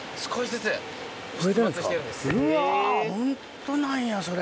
うわホントなんやそれ。